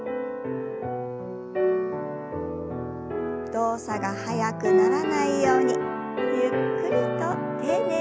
動作が速くならないようにゆっくりと丁寧に。